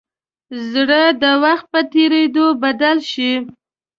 زړه د وخت په تېرېدو بدل شي.